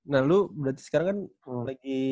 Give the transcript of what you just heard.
nah lu sekarang kan lagi